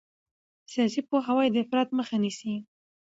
سیاسي پوهاوی د افراط مخه نیسي